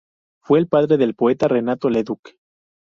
Fue el padre del poeta Renato Leduc.